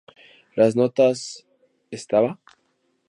Las notas estaba???